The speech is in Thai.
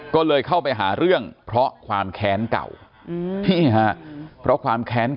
ก็เลยเข้าไปหาเรื่องเพราะความแค้นเก่า